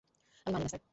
আমি মানি না, স্যার।